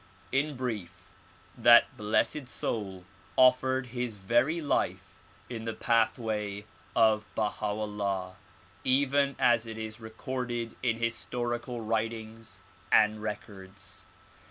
In brief, that blessed soul offered his very life in the pathway of Baha 'Ullah even as it is recorded in historical writings and records.